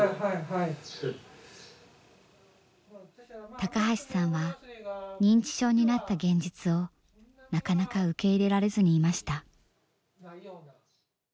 高橋さんは認知症になった現実をなかなか受け入れられずにいました。